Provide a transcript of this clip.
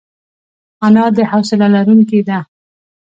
انا د حوصله لرونکې ده